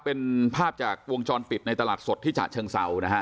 เป็นภาพจากวงจรปิดในตลาดสดที่ฉะเชิงเศร้านะฮะ